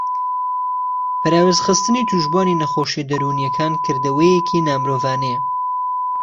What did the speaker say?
پەراوێزخستنی تووشبووانی نەخۆشییە دەروونیەکان کردەوەیەکی نامرۆڤانهیه